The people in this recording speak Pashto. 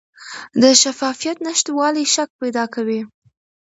د شفافیت نشتوالی شک پیدا کوي